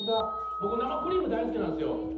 僕生クリーム大好きなんですよ。